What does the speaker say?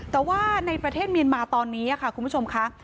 แต่ว่าในประเทศเมียนมาตอนนี้ค่ะคุณผู้ชมค่ะ